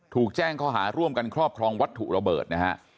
ถูกแจ้งข้อหาร่วมกันครอบครองวัตถุระเบิดนะฮะ